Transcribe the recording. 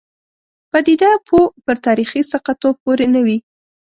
پدیده پوه پر تاریخي ثقه توب پورې نه وي.